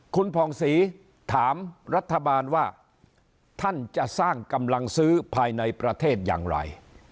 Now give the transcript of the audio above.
คุณผ่องศรีถามรัฐบาลว่าท่านจะสร้างกำลังซื้อภายในประเทศอย่างไร